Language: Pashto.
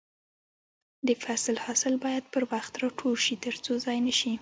د فصل حاصل باید پر وخت راټول شي ترڅو ضايع نشي.